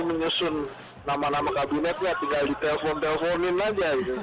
menyusun nama nama kabinetnya tinggal ditelepon teleponin aja gitu